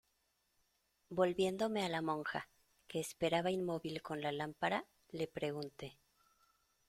volviéndome a la monja, que esperaba inmóvil con la lámpara , le pregunté: